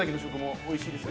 おいしいですよね。